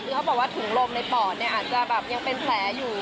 คือเขาบอกว่าถุงลมในปอดเนี่ยอาจจะแบบยังเป็นแผลอยู่